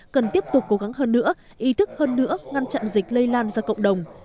cần tiếp tục cố gắng hơn nữa ý thức hơn nữa ngăn chặn dịch lây lan ra cộng đồng